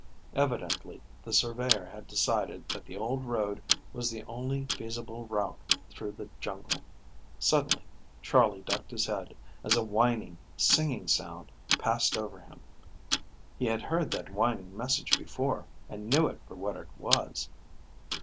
Evidently the surveyor had decided that the old road was the only feasible route through the jungle. Suddenly Charley ducked his head, as a whining, singing sound, passed over him. He had heard that whining message before, and knew it for what it was.